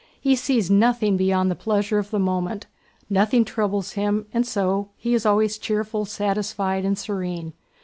"He sees nothing beyond the pleasure of the moment, nothing troubles him and so he is always cheerful, satisfied, and serene.